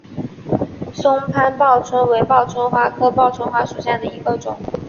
松潘报春为报春花科报春花属下的一个种。